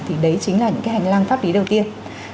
thì đấy chính là những cái hành lang pháp lý đầu tiên